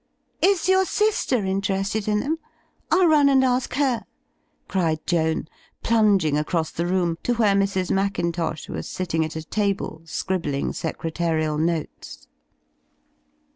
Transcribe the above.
"Is your sister interested in them? Ill nm and ask her," cried Joan, plunging across the room to where Mrs. Mackintosh was sitting at a: table scribbling sec retarial notes.